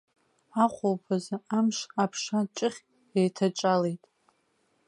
Ахәылԥазы амш аԥша ҷыхь еиҭаҿалеит.